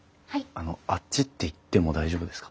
あのあっちって行っても大丈夫ですか？